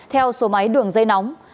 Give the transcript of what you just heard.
theo số máy đường dây nóng